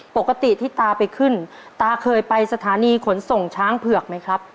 ปกติที่ตาไปขึ้นตาเคยไปสถานีขนส่งช้างเผือกไหมครับ